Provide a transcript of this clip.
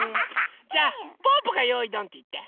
じゃあぽぅぽが「よいどん！」っていって。